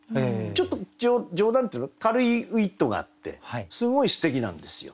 ちょっと冗談っていうの軽いウイットがあってすごいすてきなんですよ。